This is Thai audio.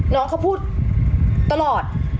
น้องเขาพูดตลอด